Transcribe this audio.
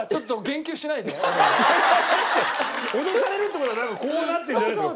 だって脅されるって事はなんかこうなってるんじゃないんですか？